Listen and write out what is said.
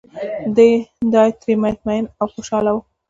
دای ترې مطمین او ورته خوشاله و.